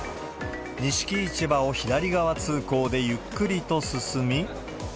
錦市場を左側通行でゆっくりと進み。